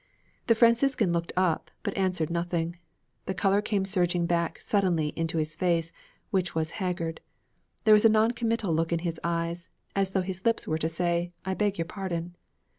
The Franciscan looked up, but answered nothing. The color came surging back suddenly into his face, which was haggard. There was a noncommittal look in his eyes, as though his lips were to say, 'I beg your pardon.'